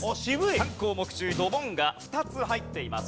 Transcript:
３項目中ドボンが２つ入っています。